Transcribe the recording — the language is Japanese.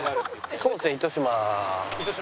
そうですね糸島。